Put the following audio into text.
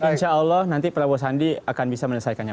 insya allah nanti prabowo sandi akan bisa menyelesaikannya